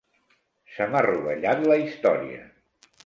Se m'ha rovellat la història.